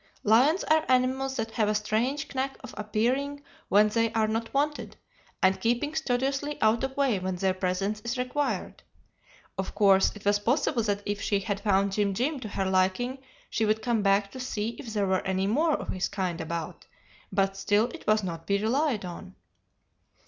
Lions are animals that have a strange knack of appearing when they are not wanted, and keeping studiously out of the way when their presence is required. Of course it was possible that if she had found Jim Jim to her liking she would come back to see if there were any more of his kind about, but still it was not to be relied on.